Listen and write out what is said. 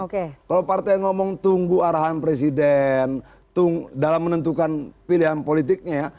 kalau partai ngomong tunggu arahan presiden dalam menentukan pilihan politiknya